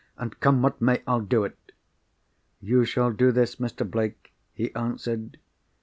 "And, come what may, I'll do it." "You shall do this, Mr. Blake," he answered.